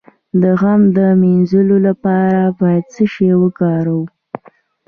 د غم د مینځلو لپاره باید څه شی وکاروم؟